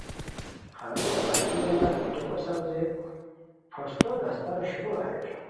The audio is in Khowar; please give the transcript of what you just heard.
ہرونیہ وشلیو نان پیٹیکو ساؤزئے پھوستو داستانو شروع اریر